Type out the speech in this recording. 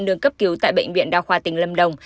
lương cấp cứu tại bệnh viện đa khoa tỉnh lâm đồng